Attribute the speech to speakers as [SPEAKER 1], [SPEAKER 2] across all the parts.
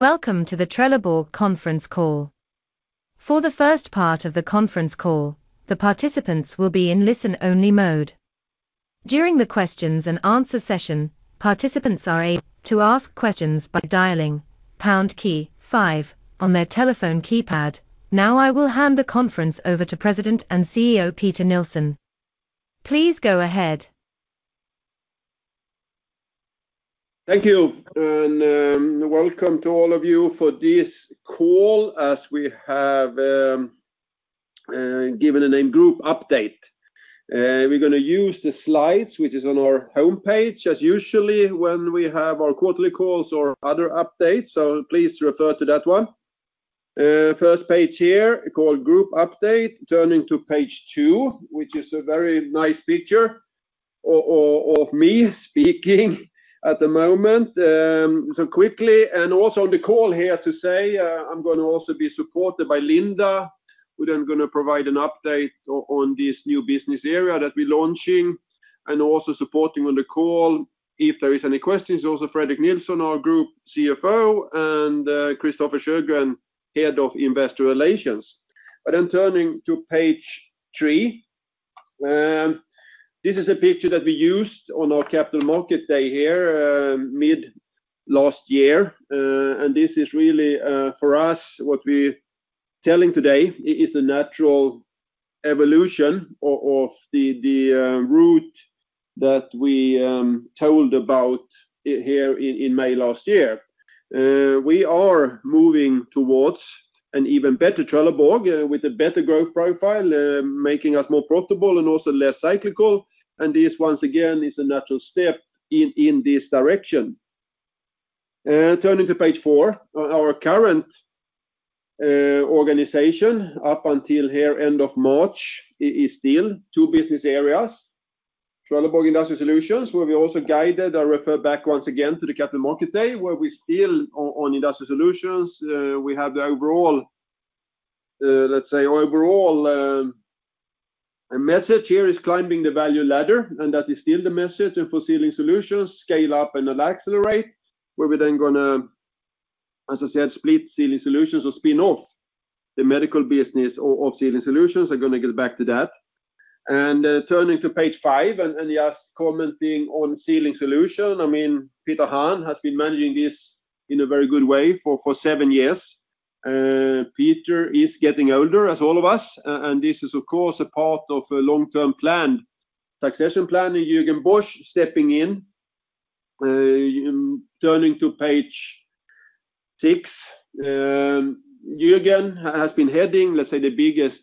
[SPEAKER 1] Welcome to the Trelleborg conference call. For the first part of the conference call, the participants will be in listen-only mode. During the questions-and-answers session, participants are able to ask questions by dialing #5 on their telephone keypad. Now I will hand the conference over to President and CEO Peter Nilsson. Please go ahead.
[SPEAKER 2] Thank you, and welcome to all of you for this call as we have given a main group update. We're going to use the slides which is on our homepage as usual when we have our quarterly calls or other updates, so please refer to that one. First page here called group update, turning to page two, which is a very nice picture of me speaking at the moment. So quickly, and also on the call here to say, I'm going to also be supported by Linda, who then going to provide an update on this new business area that we're launching and also supporting on the call. If there are any questions, also Fredrik Nilsson, our Group CFO, and Christofer Sjögren, Head of Investor Relations. But then turning to page three. This is a picture that we used on our capital market day here mid last year, and this is really for us what we're telling today is the natural evolution of the route that we told about here in May last year. We are moving towards an even better Trelleborg with a better growth profile, making us more profitable and also less cyclical, and this once again is a natural step in this direction. Turning to page 4, our current organization up until here end of March is still two business areas: Trelleborg Industrial Solutions, where we also guided and referred back once again to the capital market day, where we're still on Industrial Solutions. We have the overall message here is climbing the value ladder, and that is still the message, and for Sealing Solutions, scale up and accelerate, where we're then going to, as I said, split Sealing Solutions or spin off the medical business of Sealing Solutions. I'm going to get back to that. Turning to page five and just commenting on Sealing Solutions, I mean Peter Hahn has been managing this in a very good way for seven years. Peter is getting older as all of us, and this is of course a part of a long-term planned succession planning, Jürgen Bosch stepping in. Turning to page six, Jürgen has been heading, let's say, the biggest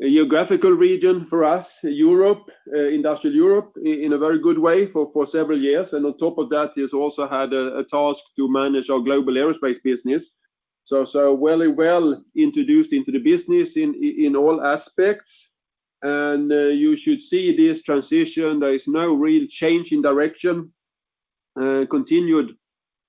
[SPEAKER 2] geographical region for us, Industrial Europe, in a very good way for several years, and on top of that he has also had a task to manage our global aerospace business. So very well introduced into the business in all aspects, and you should see this transition; there is no real change in direction. Continued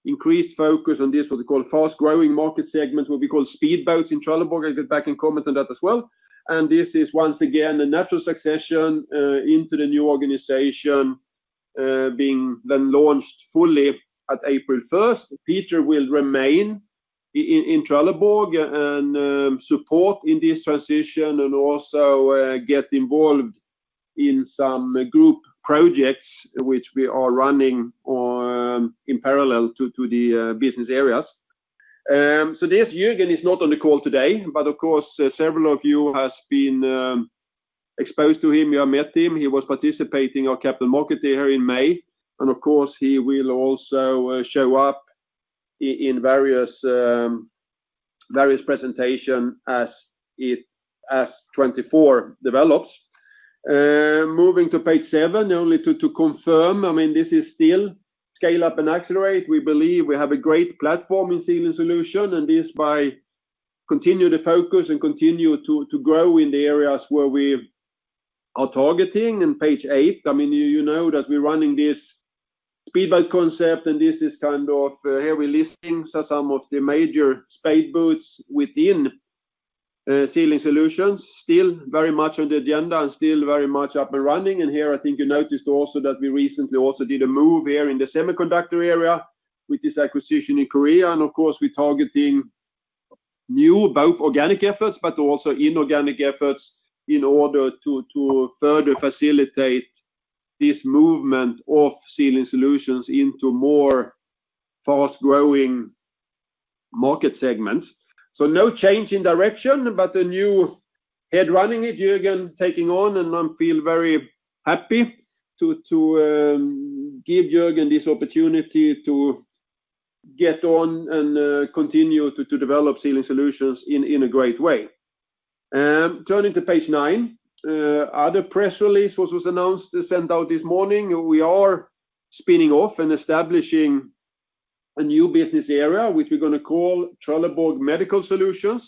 [SPEAKER 2] increased focus on this what we call fast-growing market segments, what we call speedboats in Trelleborg. I'll get back and comment on that as well. And this is once again a natural succession into the new organization being then launched fully at April 1st. Peter will remain in Trelleborg and support in this transition and also get involved in some group projects which we are running in parallel to the business areas. So yes, Jürgen is not on the call today, but of course several of you have been exposed to him, you have met him, he was participating in our Capital Markets Day here in May, and of course he will also show up in various presentations as 2024 develops. Moving to page seven, only to confirm, I mean this is still scale up and accelerate, we believe we have a great platform in Sealing Solutions and this by continuing the focus and continuing to grow in the areas where we are targeting. Page eight, I mean you know that we're running this speedboat concept and this is kind of here we're listing some of the major Speedboats within Sealing Solutions, still very much on the agenda and still very much up and running. Here I think you noticed also that we recently also did a move here in the semiconductor area with this acquisition in Korea, and of course we're targeting new both organic efforts but also inorganic efforts in order to further facilitate this movement of Sealing Solutions into more fast-growing market segments. So no change in direction, but a new head running it, Jürgen taking on, and I feel very happy to give Jürgen this opportunity to get on and continue to develop Sealing Solutions in a great way. Turning to page nine, another press release was announced, sent out this morning. We are spinning off and establishing a new business area which we're going to call Trelleborg Medical Solutions.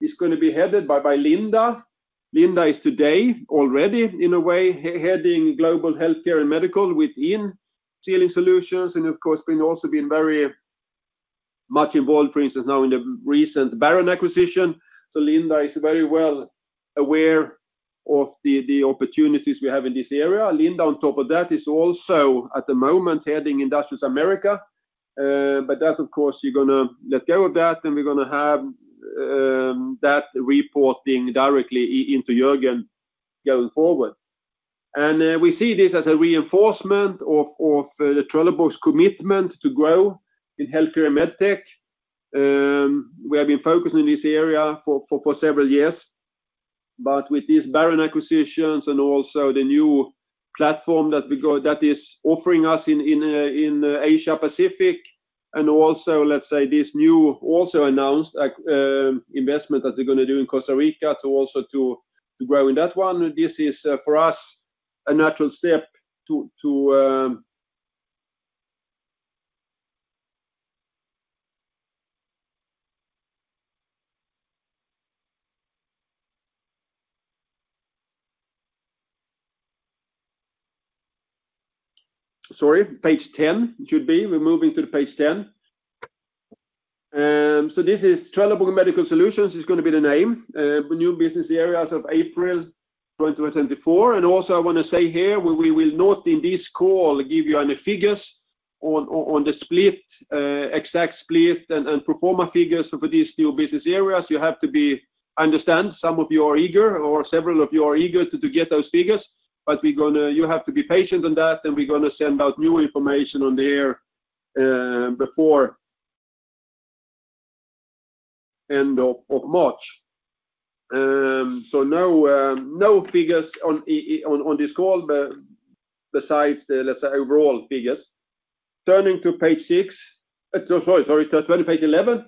[SPEAKER 2] It's going to be headed by Linda. Linda is today already in a way heading global Healthcare & Medical within Sealing Solutions, and of course has also been very much involved, for instance, now in the recent Baron acquisition. So Linda is very well aware of the opportunities we have in this area. Linda, on top of that, is also at the moment heading Industrial Americas, but that's of course you're going to let go of that and we're going to have that reporting directly into Jürgen going forward. We see this as a reinforcement of Trelleborg's commitment to grow in healthcare and medtech. We have been focusing on this area for several years, but with these Baron acquisitions and also the new platform that is offering us in Asia-Pacific, and also let's say this new also announced investment that they're going to do in Costa Rica to also grow in that one, this is for us a natural step to... Sorry, page ten should be, we're moving to page ten. So this is Trelleborg Medical Solutions, it's going to be the name, new business areas of April 2024. I want to say here, we will not in this call give you any figures on the split, exact split, and pro forma figures for these new business areas. You have to understand, some of you are eager, or several of you are eager to get those figures, but you have to be patient on that and we're going to send out new information on the area before the end of March. So no figures on this call besides the overall figures. Turning to page 6, sorry, turn to page 11.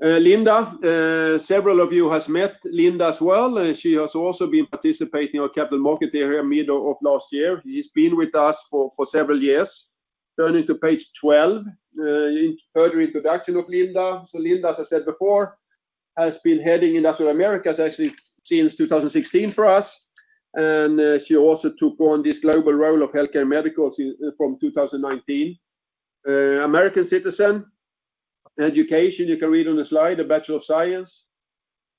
[SPEAKER 2] Linda, several of you have met Linda as well, she has also been participating in our Capital Markets Day mid of last year, she's been with us for several years. Turning to page 12, further introduction of Linda, so Linda as I said before has been heading Industrial Americas, she's actually since 2016 for us, and she also took on this global role of healthcare and medical from 2019. American citizen, education, you can read on the slide, a Bachelor of Science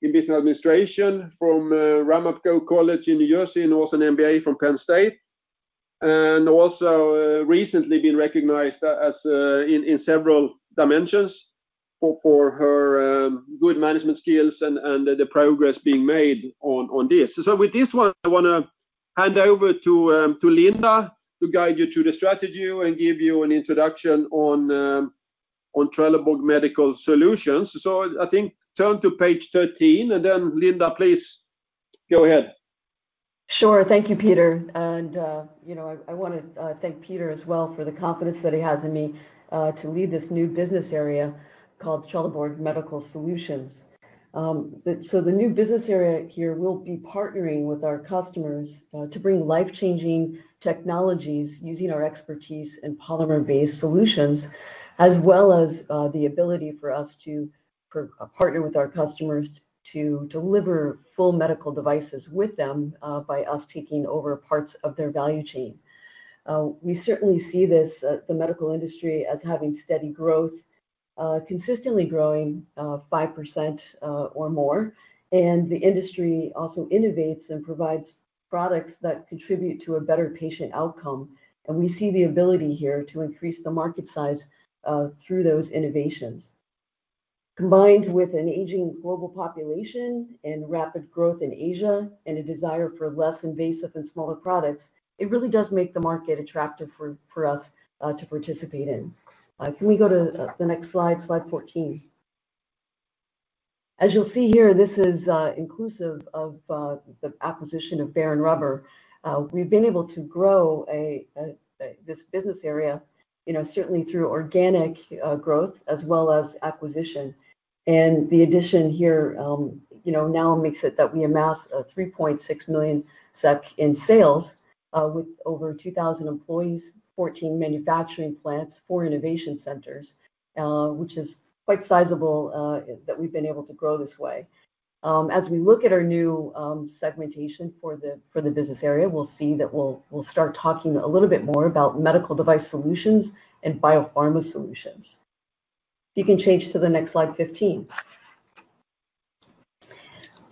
[SPEAKER 2] in Business Administration from Ramapo College in New Jersey, and also an MBA from Penn State. And also recently been recognized in several dimensions for her good management skills and the progress being made on this. So with this one I want to hand over to Linda to guide you through the strategy and give you an introduction on Trelleborg Medical Solutions. So I think turn to page 13 and then Linda, please go ahead.
[SPEAKER 3] Sure, thank you Peter, and you know I want to thank Peter as well for the confidence that he has in me to lead this new business area called Trelleborg Medical Solutions. So the new business area here will be partnering with our customers to bring life-changing technologies using our expertise in polymer-based solutions, as well as the ability for us to partner with our customers to deliver full medical devices with them by us taking over parts of their value chain. We certainly see this, the medical industry, as having steady growth, consistently growing 5% or more, and the industry also innovates and provides products that contribute to a better patient outcome, and we see the ability here to increase the market size through those innovations. Combined with an aging global population and rapid growth in Asia and a desire for less invasive and smaller products, it really does make the market attractive for us to participate in. Can we go to the next slide, slide 14? As you'll see here, this is inclusive of the acquisition of Baron Rubber. We've been able to grow this business area, you know, certainly through organic growth as well as acquisition, and the addition here, you know, now makes it that we amass 3.6 billion SEK in sales with over 2,000 employees, 14 manufacturing plants, four innovation centers, which is quite sizable that we've been able to grow this way. As we look at our new segmentation for the business area, we'll see that we'll start talking a little bit more about medical device solutions and biopharma solutions. If you can change to the next slide, 15.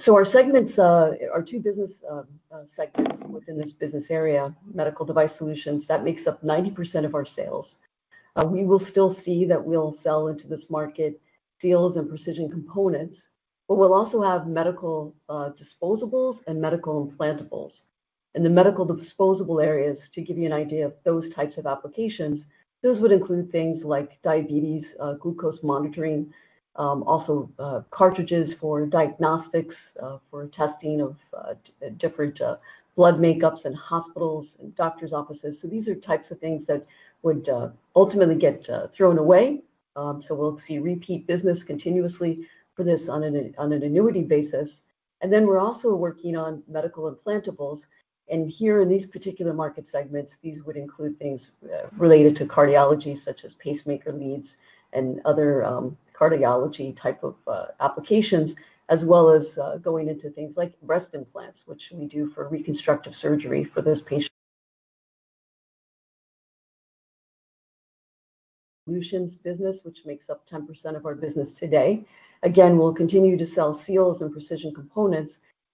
[SPEAKER 3] Our segments are two business segments within this business area, Medical Device Solutions, that makes up 90% of our sales. We will still see that we'll sell into this market seals and precision components, but we'll also have medical disposables and medical implantables. The medical disposable areas, to give you an idea of those types of applications, those would include things like diabetes, glucose monitoring, also cartridges for diagnostics, for testing of different blood makeups in hospitals and doctors' offices, so these are types of things that would ultimately get thrown away, so we'll see repeat business continuously for this on an annuity basis. And then we're also working on medical implantables, and here in these particular market segments, these would include things related to cardiology such as pacemaker leads and other cardiology type of applications, as well as going into things like breast implants, which we do for reconstructive surgery for those patients. Solutions business, which makes up 10% of our business today. Again, we'll continue to sell seals and precision components,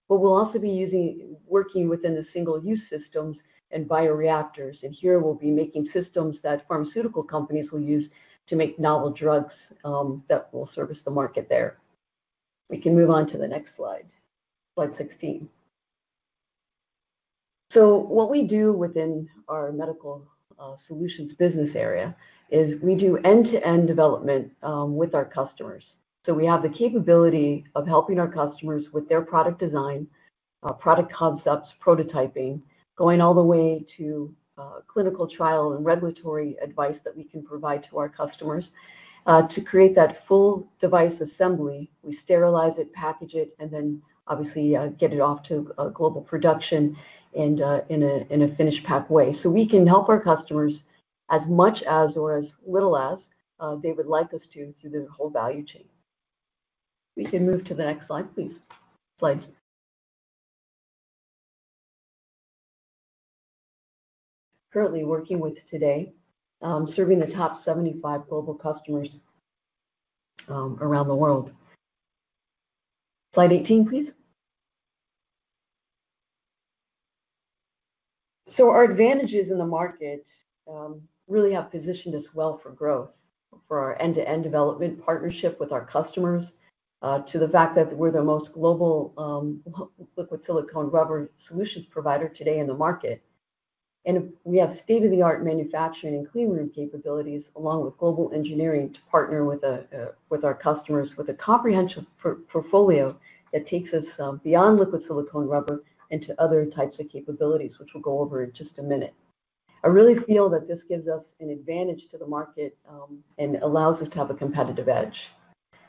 [SPEAKER 3] but we'll also be using, working within the single-use systems and bioreactors, and here we'll be making systems that pharmaceutical companies will use to make novel drugs that will service the market there. We can move on to the next slide, slide 16. So what we do within our medical solutions business area is we do end-to-end development with our customers. So we have the capability of helping our customers with their product design, product concepts, prototyping, going all the way to clinical trial and regulatory advice that we can provide to our customers. To create that full device assembly, we sterilize it, package it, and then obviously get it off to global production in a finished pack way. So we can help our customers as much as or as little as they would like us to through the whole value chain. We can move to the next slide, please. Slides. Currently working with today, serving the top 75 global customers around the world. Slide 18, please. So our advantages in the market really have positioned us well for growth, for our end-to-end development partnership with our customers, to the fact that we're the most global liquid silicone rubber solutions provider today in the market. We have state-of-the-art manufacturing and clean room capabilities along with global engineering to partner with our customers with a comprehensive portfolio that takes us beyond liquid silicone rubber into other types of capabilities, which we'll go over in just a minute. I really feel that this gives us an advantage to the market and allows us to have a competitive edge.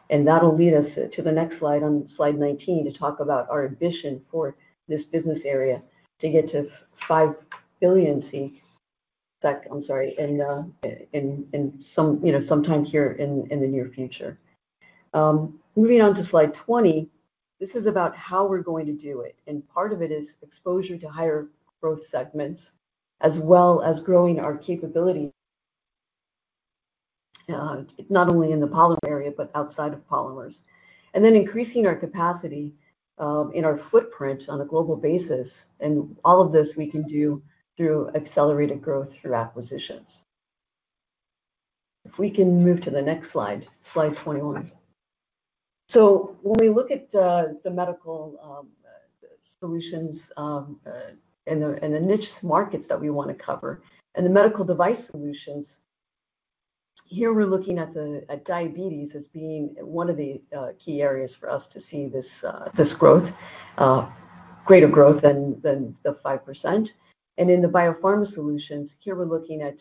[SPEAKER 3] That will lead us to the next slide, slide 19, to talk about our ambition for this business area to get to 5 billion, I'm sorry, sometime here in the near future. Moving on to slide 20, this is about how we're going to do it, and part of it is exposure to higher growth segments, as well as growing our capabilities not only in the polymer area but outside of polymers. Then increasing our capacity in our footprint on a global basis, and all of this we can do through accelerated growth through acquisitions. If we can move to the next slide, slide 21. So when we look at the Medical Solutions and the niche markets that we want to cover, and the Medical Device Solutions, here we're looking at diabetes as being one of the key areas for us to see this growth, greater growth than the 5%. And in the Biopharma Solutions, here we're looking at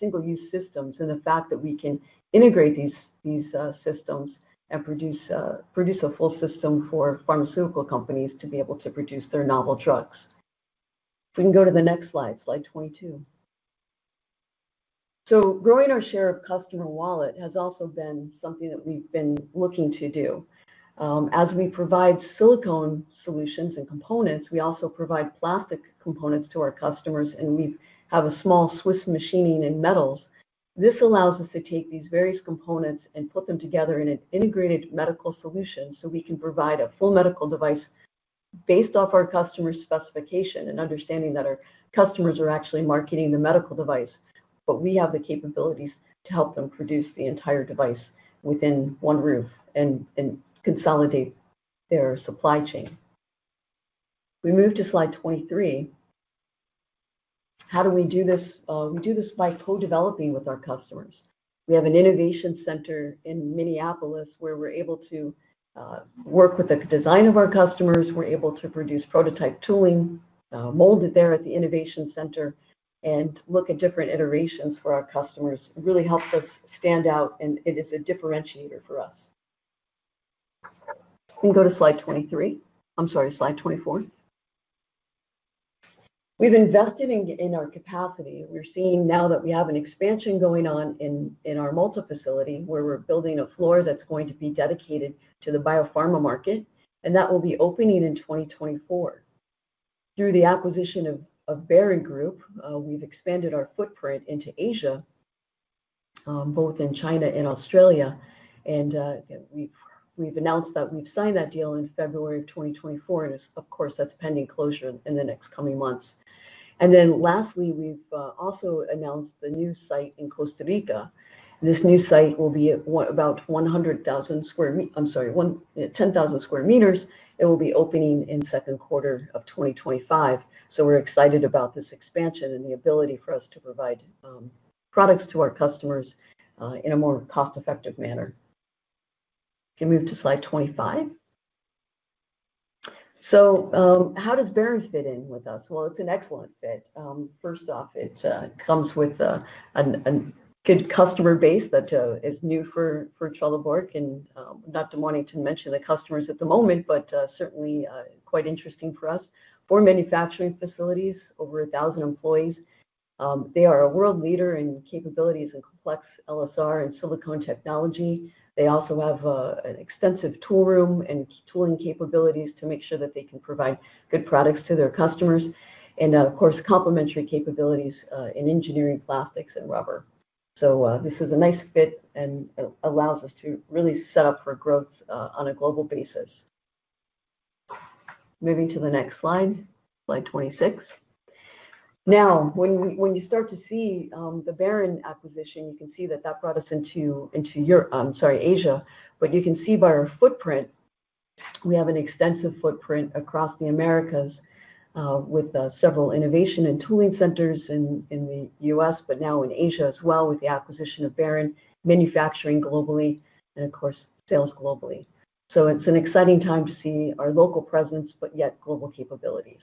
[SPEAKER 3] single-use systems and the fact that we can integrate these systems and produce a full system for pharmaceutical companies to be able to produce their novel drugs. If we can go to the next slide, slide 22. So growing our share of customer wallet has also been something that we've been looking to do. As we provide silicone solutions and components, we also provide plastic components to our customers, and we have a small Swiss machining in metals. This allows us to take these various components and put them together in an integrated medical solution so we can provide a full medical device based off our customer specification and understanding that our customers are actually marketing the medical device, but we have the capabilities to help them produce the entire device within one roof and consolidate their supply chain. We move to slide 23. How do we do this? We do this by co-developing with our customers. We have an innovation center in Minneapolis where we're able to work with the design of our customers, we're able to produce prototype tooling, mold it there at the innovation center, and look at different iterations for our customers. It really helps us stand out and it is a differentiator for us. We can go to slide 23, I'm sorry, slide 24. We've invested in our capacity. We're seeing now that we have an expansion going on in our Malta facility where we're building a floor that's going to be dedicated to the biopharma market, and that will be opening in 2024. Through the acquisition of Baron Group, we've expanded our footprint into Asia, both in China and Australia, and we've announced that we've signed that deal in February 2024, and of course that's pending closure in the next coming months. And then lastly, we've also announced the new site in Costa Rica. This new site will be about 100,000 square meters, I'm sorry, 10,000 square meters, it will be opening in the second quarter of 2025, so we're excited about this expansion and the ability for us to provide products to our customers in a more cost-effective manner. We can move to slide 25. So how does Baron fit in with us? Well, it's an excellent fit. First off, it comes with a good customer base that is new for Trelleborg, and not to wanting to mention the customers at the moment, but certainly quite interesting for us. Four manufacturing facilities, over 1,000 employees. They are a world leader in capabilities and complex LSR and silicone technology. They also have an extensive tool room and tooling capabilities to make sure that they can provide good products to their customers, and of course complementary capabilities in engineering plastics and rubber. So this is a nice fit and allows us to really set up for growth on a global basis. Moving to the next slide, slide 26. Now, when you start to see the Baron acquisition, you can see that that brought us into Europe, I'm sorry, Asia, but you can see by our footprint, we have an extensive footprint across the Americas with several innovation and tooling centers in the U.S., but now in Asia as well with the acquisition of Baron, manufacturing globally, and of course sales globally. So it's an exciting time to see our local presence but yet global capabilities.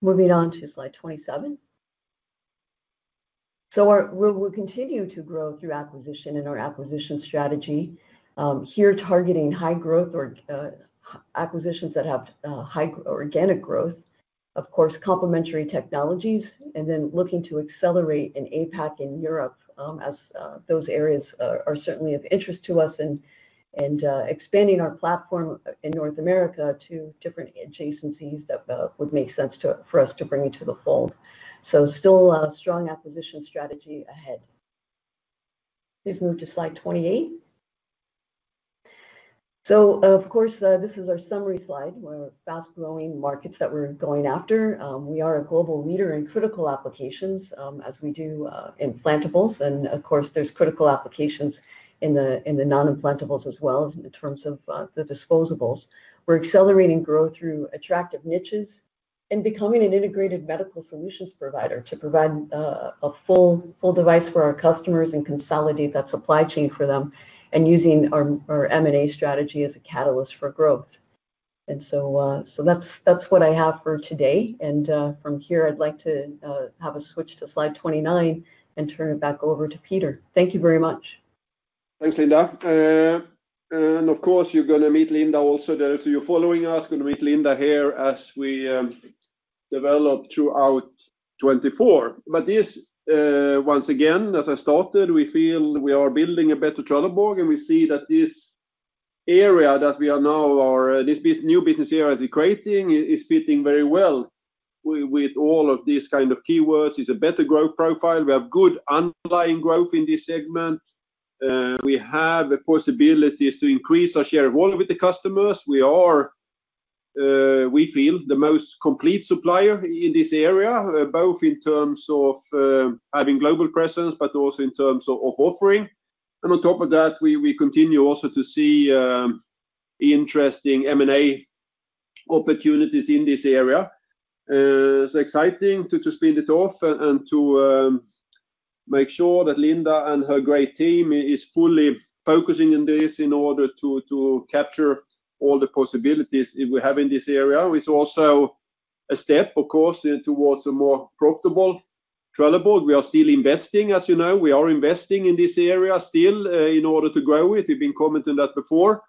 [SPEAKER 3] Moving on to slide 27. So we'll continue to grow through acquisition and our acquisition strategy, here targeting high growth or acquisitions that have high organic growth, of course complementary technologies, and then looking to accelerate an APAC in Europe as those areas are certainly of interest to us, and expanding our platform in North America to different adjacencies that would make sense for us to bring it to the fold. So still a strong acquisition strategy ahead. Please move to slide 28. So of course, this is our summary slide where fast-growing markets that we're going after. We are a global leader in critical applications as we do implantables, and of course there's critical applications in the non-implantables as well in terms of the disposables. We're accelerating growth through attractive niches and becoming an integrated medical solutions provider to provide a full device for our customers and consolidate that supply chain for them, and using our M&A strategy as a catalyst for growth. So that's what I have for today, and from here I'd like to have a switch to slide 29 and turn it back over to Peter. Thank you very much.
[SPEAKER 2] Thanks, Linda. Of course you're going to meet Linda also, so you're following us, going to meet Linda here as we develop throughout 2024. But this, once again, as I started, we feel. We are building a better Trelleborg and we see that this area that we are now, this new business area that we're creating is fitting very well with all of these kind of keywords. It's a better growth profile. We have good underlying growth in this segment. We have possibilities to increase our share of volume with the customers. We are, we feel, the most complete supplier in this area, both in terms of having global presence but also in terms of offering. On top of that, we continue also to see interesting M&A opportunities in this area. It's exciting to spin it off and to make sure that Linda and her great team is fully focusing on this in order to capture all the possibilities we have in this area. It's also a step, of course, towards a more profitable Trelleborg. We are still investing, as you know, we are investing in this area still in order to grow it. We've been commenting that before,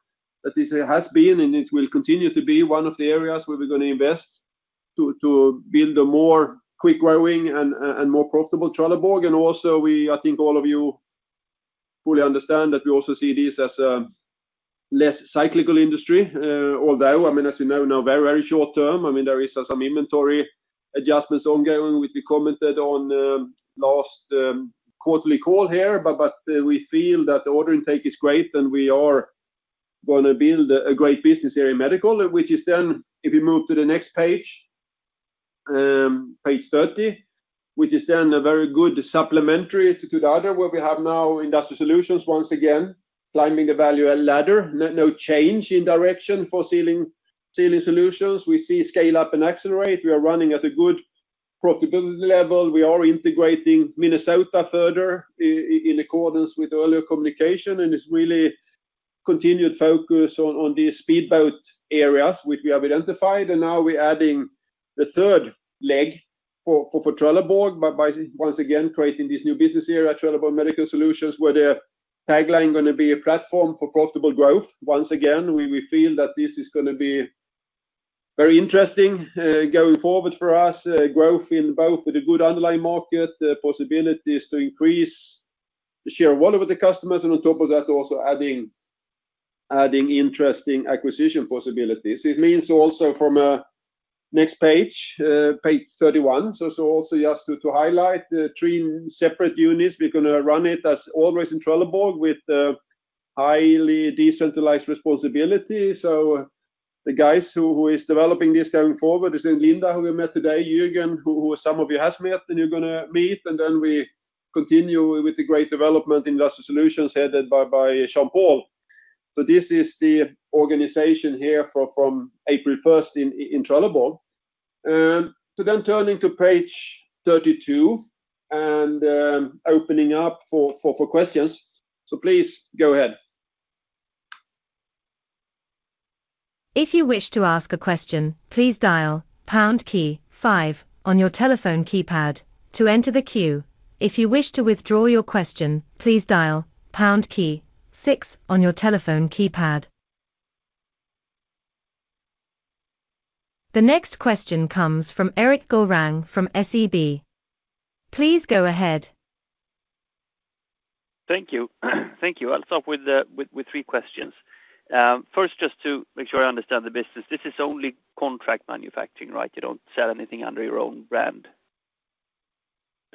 [SPEAKER 2] that this has been and it will continue to be one of the areas where we're going to invest to build a more quick-growing and more profitable Trelleborg, and also we, I think all of you fully understand that we also see this as a less cyclical industry, although, I mean, as you know, now very, very short term, I mean, there are some inventory adjustments ongoing, which we commented on last quarterly call here, but we feel that the order intake is great and we are going to build a great business here in Medical, which is then, if you move to the next page, page 30, which is then a very good supplementary to the other where we have now Industrial Solutions once again, climbing the value ladder, no change in direction for Sealing Solutions. We see scale up and accelerate, we are running at a good profitability level, we are integrating Minnesota further in accordance with earlier communication, and it's really continued focus on these Speedboat areas which we have identified, and now we're adding the third leg for Trelleborg by once again creating this new business area, Trelleborg Medical Solutions, where the tagline is going to be a platform for profitable growth. Once again, we feel that this is going to be very interesting going forward for us, growth in both with a good underlying market, possibilities to increase the share of volume with the customers, and on top of that also adding interesting acquisition possibilities. It means also from a next page, page 31, so also just to highlight, three separate units, we're going to run it as always in Trelleborg with highly decentralized responsibility, so the guys who are developing this going forward, this is Linda who you met today, Jürgen, who some of you have met and you're going to meet, and then we continue with the great development in industrial solutions headed by Jean-Paul. So this is the organization here from April first in Trelleborg. So then turning to page 32 and opening up for questions, so please go ahead.
[SPEAKER 1] If you wish to ask a question, please dial pound key five on your telephone keypad to enter the queue. If you wish to withdraw your question, please dial pound key six on your telephone keypad. The next question comes from Erik Golrang from SEB. Please go ahead.
[SPEAKER 4] Thank you. Thank you. I'll start with three questions. First, just to make sure I understand the business, this is only contract manufacturing, right?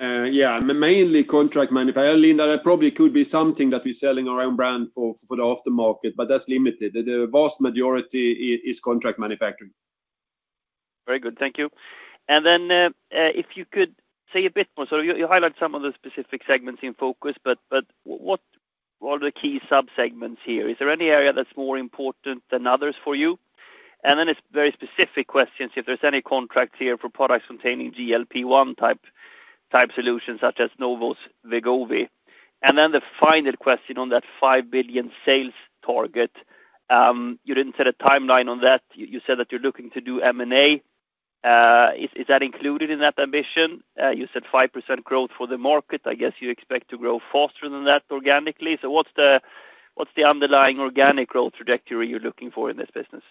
[SPEAKER 2] Yeah, mainly contract manufacturing. Linda, there probably could be something that we're selling our own brand for the aftermarket, but that's limited. The vast majority is contract manufacturing.
[SPEAKER 4] Very good, thank you. And then if you could say a bit more, sort of you highlight some of the specific segments in focus, but what are the key sub-segments here? Is there any area that's more important than others for you? And then it's very specific questions, if there's any contracts here for products containing GLP-1 type solutions such as Novo's Wegovy. And then the final question on that 5 billion sales target, you didn't set a timeline on that, you said that you're looking to do M&A. Is that included in that ambition? You said 5% growth for the market, I guess you expect to grow faster than that organically, so what's the underlying organic growth trajectory you're looking for in this business?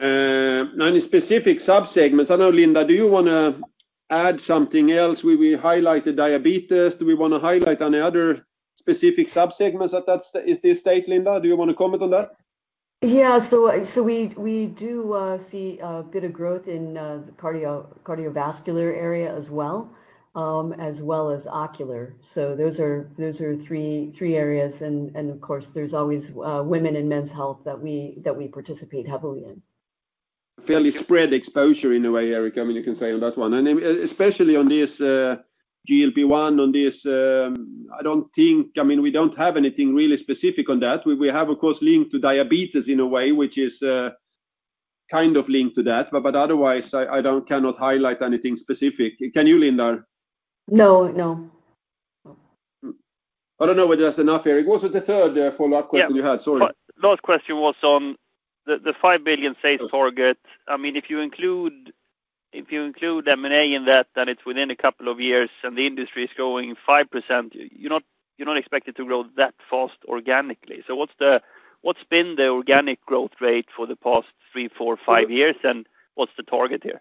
[SPEAKER 2] Now in the specific sub-segments, I know Linda, do you want to add something else? We highlighted diabetes, do we want to highlight any other specific sub-segments? Is this state, Linda? Do you want to comment on that?
[SPEAKER 3] Yeah, so we do see a bit of growth in the cardiovascular area as well, as well as ocular. So those are three areas, and of course there's always women and men's health that we participate heavily in.
[SPEAKER 2] Fairly spread exposure in a way, Erik, I mean, you can say on that one. And especially on this GLP-1, on this, I don't think, I mean, we don't have anything really specific on that. We have, of course, linked to diabetes in a way, which is kind of linked to that, but otherwise I cannot highlight anything specific. Can you, Linda?
[SPEAKER 3] No, no.
[SPEAKER 2] I don't know whether that's enough, Erik. What was the third follow-up question you had? Sorry.
[SPEAKER 4] Last question was on the 5 billion sales target. I mean, if you include M&A in that, then it's within a couple of years and the industry is growing 5%, you're not expected to grow that fast organically. So what's been the organic growth rate for the past 3, 4, 5 years, and what's the target here?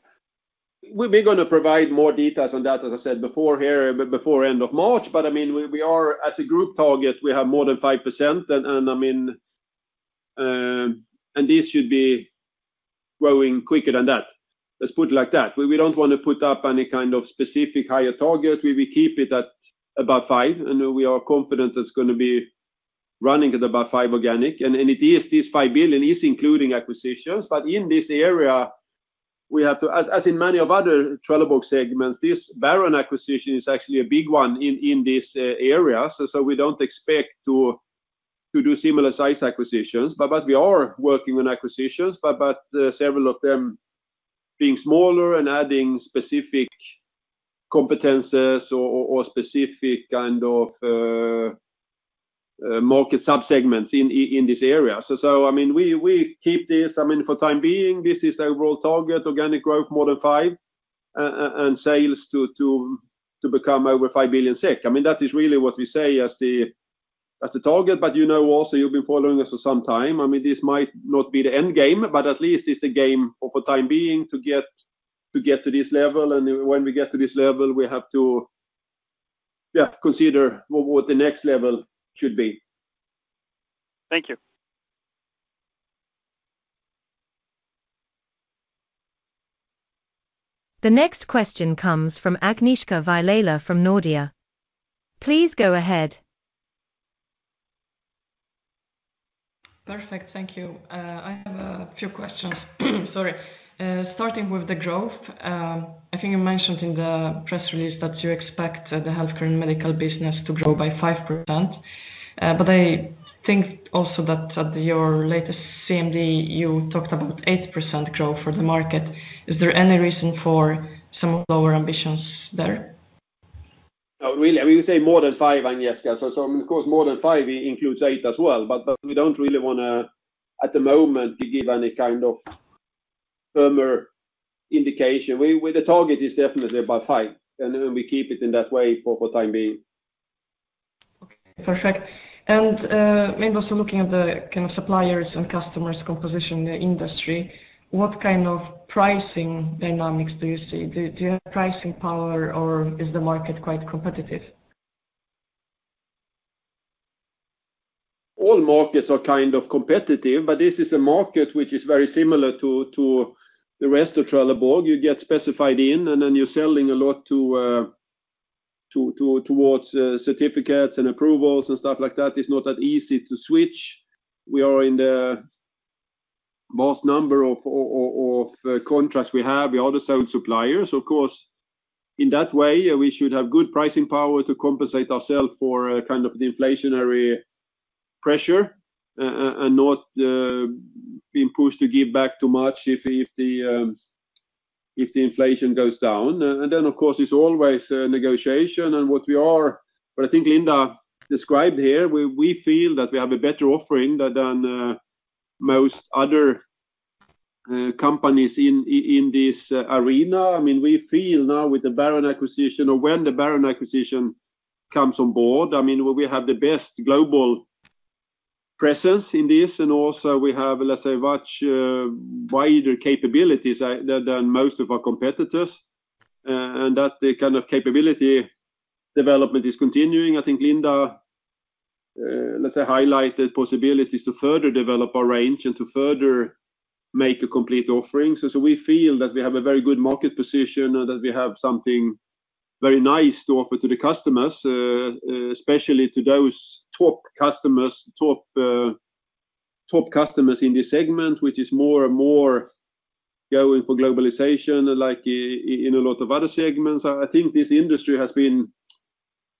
[SPEAKER 2] We're going to provide more details on that, as I said before, here before end of March, but I mean, we are as a group target, we have more than 5%, and I mean, this should be growing quicker than that. Let's put it like that. We don't want to put up any kind of specific higher target. We keep it at about 5, and we are confident it's going to be running at about 5% organic, and it is, these 5 billion is including acquisitions, but in this area we have to, as in many of other Trelleborg segments, this Baron acquisition is actually a big one in this area, so we don't expect to do similar size acquisitions, but we are working on acquisitions, but several of them being smaller and adding specific competences or specific kind of market sub-segments in this area. So I mean, we keep this, I mean, for the time being, this is our overall target, organic growth more than 5%, and sales to become over 5 billion SEK. I mean, that is really what we say as the target, but you know also, you've been following us for some time, I mean, this might not be the end game, but at least it's the game for the time being to get to this level, and when we get to this level we have to consider what the next level should be.
[SPEAKER 4] Thank you.
[SPEAKER 1] The next question comes from Agnieszka Vilela from Nordea. Please go ahead.
[SPEAKER 5] Perfect, thank you. I have a few questions, sorry. Starting with the growth, I think you mentioned in the press release that you expect the healthcare and medical business to grow by 5%, but I think also that at your latest CMD you talked about 8% growth for the market. Is there any reason for some lower ambitions there?
[SPEAKER 2] Really, I mean, you say more than five, Agnieszka, so of course more than five includes eight as well, but we don't really want to, at the moment, give any kind of firmer indication. The target is definitely about five, and we keep it in that way for the time being.
[SPEAKER 5] Perfect. And also looking at the kind of suppliers and customers composition in the industry, what kind of pricing dynamics do you see? Do you have pricing power or is the market quite competitive?
[SPEAKER 2] All markets are kind of competitive, but this is a market which is very similar to the rest of Trelleborg. You get specified in and then you're selling a lot towards certificates and approvals and stuff like that. It's not that easy to switch. We are in the vast number of contracts we have. We are the sole suppliers, of course. In that way, we should have good pricing power to compensate ourselves for kind of the inflationary pressure and not be pushed to give back too much if the inflation goes down. And then, of course, it's always negotiation and what we are, but I think Linda described here, we feel that we have a better offering than most other companies in this arena. I mean, we feel now with the Baron acquisition or when the Baron acquisition comes on board, I mean, we have the best global presence in this and also we have, let's say, much wider capabilities than most of our competitors, and that kind of capability development is continuing. I think Linda, let's say, highlighted possibilities to further develop our range and to further make a complete offering. So we feel that we have a very good market position and that we have something very nice to offer to the customers, especially to those top customers in this segment, which is more and more going for globalization like in a lot of other segments. I think this industry has been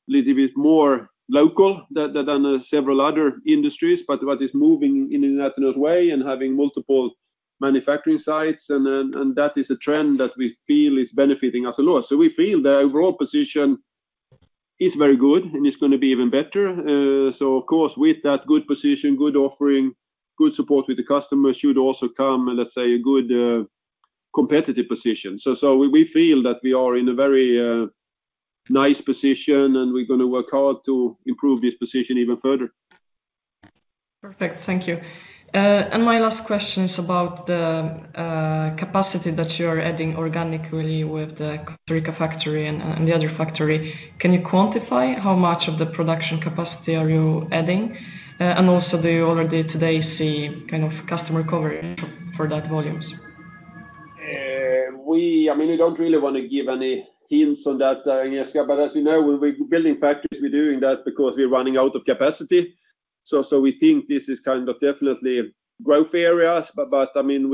[SPEAKER 2] a little bit more local than several other industries, but what is moving in an international way and having multiple manufacturing sites, and that is a trend that we feel is benefiting us a lot. So we feel the overall position is very good and it's going to be even better. So, of course, with that good position, good offering, good support with the customers should also come, let's say, a good competitive position. So we feel that we are in a very nice position and we're going to work hard to improve this position even further.
[SPEAKER 5] Perfect, thank you. And my last question is about the capacity that you're adding organically with the Costa Rica factory and the other factory. Can you quantify how much of the production capacity are you adding? And also do you already today see kind of customer coverage for that volumes?
[SPEAKER 2] I mean, we don't really want to give any hints on that, Agnieszka, but as you know, when we're building factories, we're doing that because we're running out of capacity. So we think this is kind of definitely growth areas, but I mean,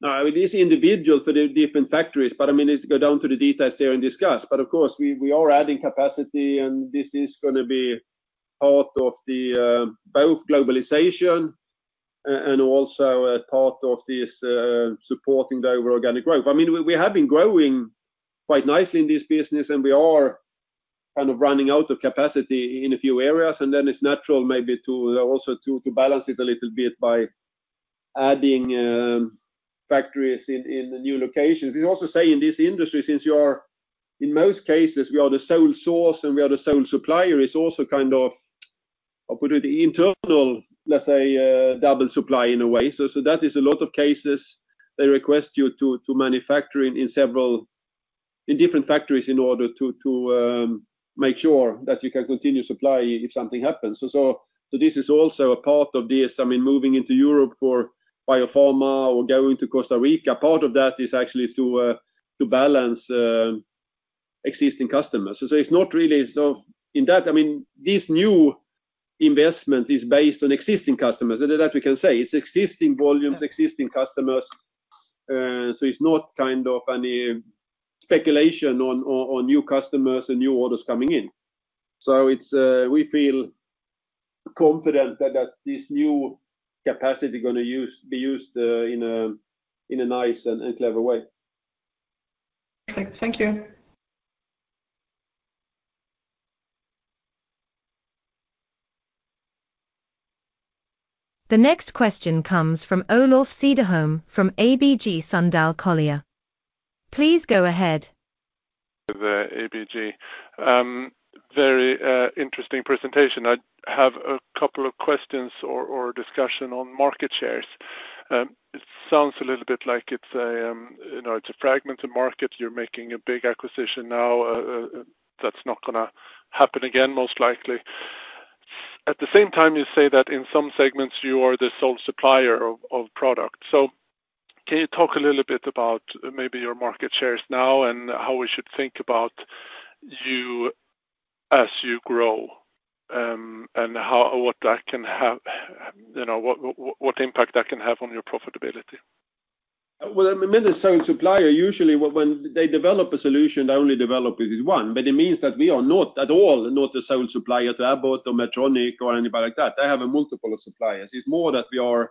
[SPEAKER 2] this is individual for the different factories, but I mean, it's going down to the details here and discuss. But of course, we are adding capacity and this is going to be part of both globalization and also part of this supporting the overall organic growth. I mean, we have been growing quite nicely in this business and we are kind of running out of capacity in a few areas, and then it's natural maybe also to balance it a little bit by adding factories in new locations. It's also saying this industry, since you are in most cases, we are the sole source and we are the sole supplier, is also kind of, I'll put it, internal, let's say, double supply in a way. So that is a lot of cases they request you to manufacture in different factories in order to make sure that you can continue supply if something happens. So this is also a part of this, I mean, moving into Europe for biopharma or going to Costa Rica, part of that is actually to balance existing customers. So it's not really in that, I mean, this new investment is based on existing customers, that we can say. It's existing volumes, existing customers, so it's not kind of any speculation on new customers and new orders coming in. So we feel confident that this new capacity is going to be used in a nice and clever way.
[SPEAKER 5] Perfect, thank you.
[SPEAKER 1] The next question comes from Olof Cederholm from ABG Sundal Collier. Please go ahead.
[SPEAKER 6] With ABG. Very interesting presentation. I have a couple of questions or discussion on market shares. It sounds a little bit like it's a fragmented market. You're making a big acquisition now. That's not going to happen again, most likely. At the same time, you say that in some segments you are the sole supplier of product. So can you talk a little bit about maybe your market shares now and how we should think about you as you grow and what that can have, what impact that can have on your profitability?
[SPEAKER 2] Well, I mean, when they're sole supplier, usually when they develop a solution, they only develop it as one, but it means that we are not at all the sole supplier to Abbott or Medtronic or anybody like that. They have multiple suppliers. It's more that we are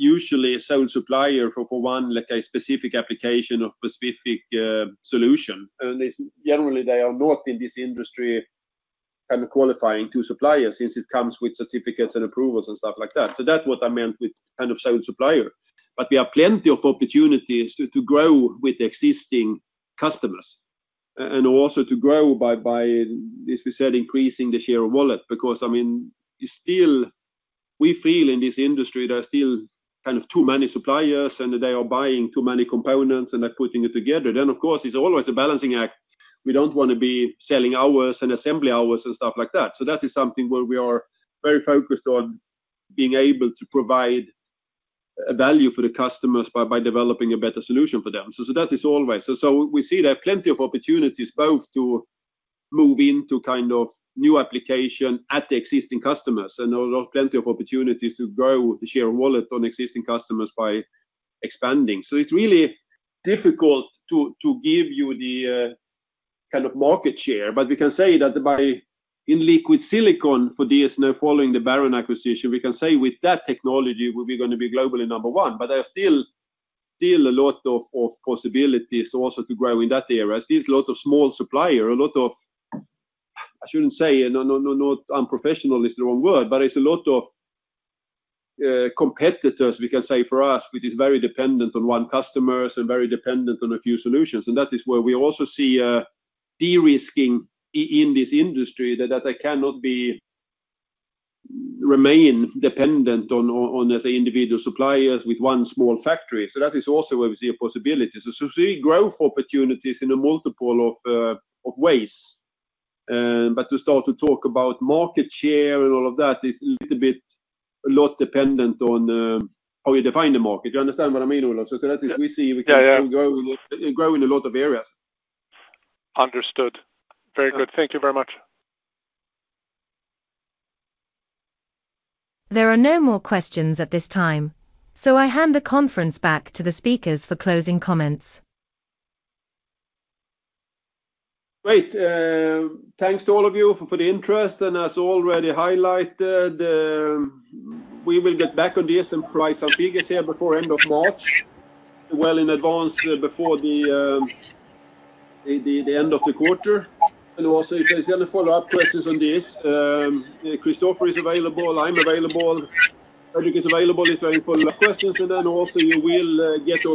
[SPEAKER 2] usually a sole supplier for one, let's say, specific application of a specific solution. And generally, they are not in this industry kind of qualifying two suppliers since it comes with certificates and approvals and stuff like that. So that's what I meant with kind of sole supplier. We have plenty of opportunities to grow with existing customers and also to grow by, as we said, increasing the share of wallet because, I mean, we feel in this industry there are still kind of too many suppliers and they are buying too many components and they're putting it together. Then, of course, it's always a balancing act. We don't want to be selling hours and assembly hours and stuff like that. So that is something where we are very focused on being able to provide value for the customers by developing a better solution for them. So that is always so we see there are plenty of opportunities both to move into kind of new application at the existing customers and there are plenty of opportunities to grow the share of wallet on existing customers by expanding. So it's really difficult to give you the kind of market share, but we can say that in liquid silicone for this now following the Baron acquisition, we can say with that technology we're going to be globally number one. But there are still a lot of possibilities also to grow in that area. Still, it's a lot of small supplier, a lot of I shouldn't say, not unprofessional is the wrong word, but it's a lot of competitors, we can say, for us, which is very dependent on one customer and very dependent on a few solutions. And that is where we also see de-risking in this industry that they cannot remain dependent on individual suppliers with one small factory. So that is also where we see a possibility. So we see growth opportunities in a multiple of ways. But to start to talk about market share and all of that is a little bit a lot dependent on how you define the market. You understand what I mean, Olof? So that is we see we can still grow in a lot of areas.
[SPEAKER 6] Understood. Very good. Thank you very much.
[SPEAKER 1] There are no more questions at this time, so I hand the conference back to the speakers for closing comments.
[SPEAKER 2] Great. Thanks to all of you for the interest. And as already highlighted, we will get back on this and provide some figures here before end of March, well in advance before the end of the quarter. And also, if there's any follow-up questions on this, Christofer is available, I'm available, Fredrik is available, he's waiting for questions. And then also you will get the.